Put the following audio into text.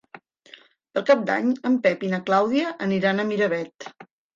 Per Cap d'Any en Pep i na Clàudia aniran a Miravet.